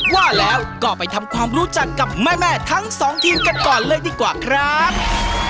ว่าแล้วก็ไปทำความรู้จักกับแม่ทั้งสองทีมกันก่อนเลยดีกว่าครับ